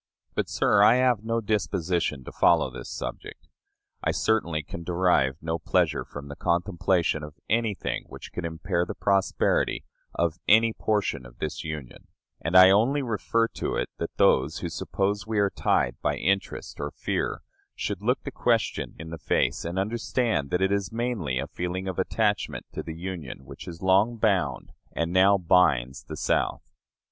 But, sir, I have no disposition to follow this subject. I certainly can derive no pleasure from the contemplation of anything which can impair the prosperity of any portion of this Union; and I only refer to it that those who suppose we are tied by interest or fear should look the question in the face and understand that it is mainly a feeling of attachment to the Union which has long bound, and now binds, the South.